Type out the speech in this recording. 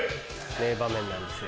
名場面なんですよ。